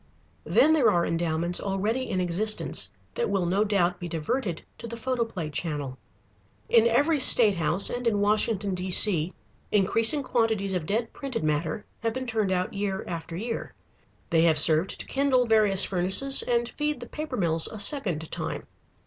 Then there are endowments already in existence that will no doubt be diverted to the photoplay channel. In every state house, and in Washington, D.C., increasing quantities of dead printed matter have been turned out year after year. They have served to kindle various furnaces and feed the paper mills a second time.